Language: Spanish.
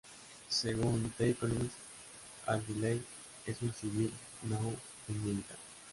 Según "The Economist" al-Digheily es un civil, no un militar.